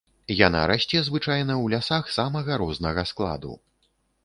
Яна расце звычайна ў лясах самага рознага складу.